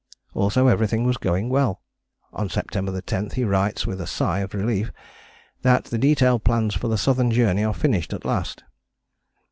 Also everything was going well. On September 10 he writes with a sigh of relief that the detailed plans for the Southern Journey are finished at last.